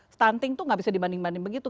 stunting itu nggak bisa dibanding banding begitu